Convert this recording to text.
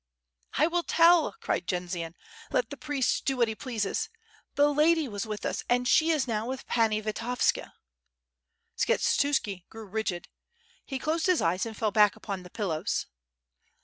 "I will tell," cried Jendzian, "let the priest do what he pleases. The lady was with us and she is now with Pani Vitovska." Skshetuski grew rigid, he closed his eyes and fell back upon the pillows.